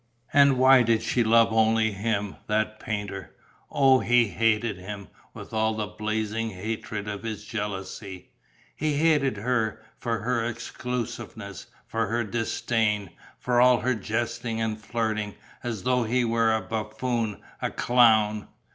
And why did she love only him, that painter? Oh, he hated him, with all the blazing hatred of his jealousy; he hated her, for her exclusiveness, for her disdain, for all her jesting and flirting, as though he were a buffoon, a clown!